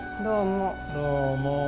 どうも。